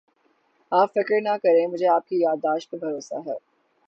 آپ فکر نہ کریں مجھے آپ کی یاد داشت پر بھروسہ ہے